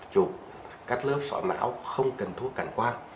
chụp các lớp sọ não không cần thuốc cản qua